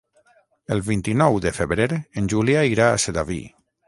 El vint-i-nou de febrer en Julià irà a Sedaví.